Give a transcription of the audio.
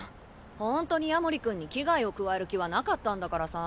ホントに夜守君に危害を加える気はなかったんだからさ。